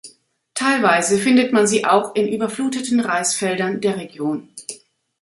Teilweise findet man sie auch in überfluteten Reisfeldern der Region.